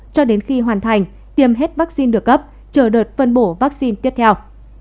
cho đến khi hoàn thành tiêm hết vaccine được cấp chờ đợt phân bổ vaccine tiếp theo